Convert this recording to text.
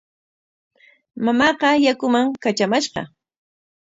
Mamaaqa yakuman katramashqa.